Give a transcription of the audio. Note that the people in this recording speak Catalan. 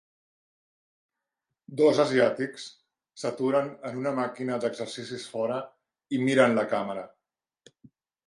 Dos asiàtics s'aturen en una màquina d'exercicis fora, i miren la càmera.